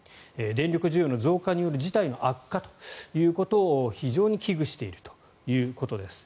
電力需要の増加による事態の悪化ということを非常に危惧しているということです。